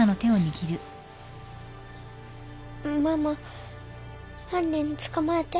ママ犯人捕まえて。